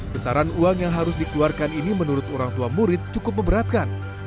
besaran uang yang harus dikeluarkan adalah